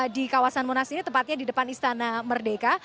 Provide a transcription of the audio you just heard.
di kawasan monas ini tepatnya di depan istana merdeka